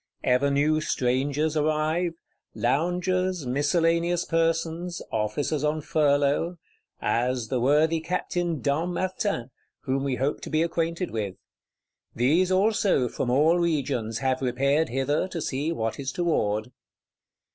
Ever new strangers arrive; loungers, miscellaneous persons, officers on furlough,—as the worthy Captain Dampmartin, whom we hope to be acquainted with: these also, from all regions, have repaired hither, to see what is toward.